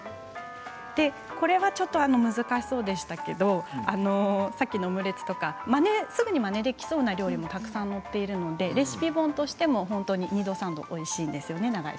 これはちょっと難しそうでしたがさっきのオムレツとかすぐにまねできそうな料理もたくさん載っているのでレシピ本としても本当に２度３度おいしいんですよね。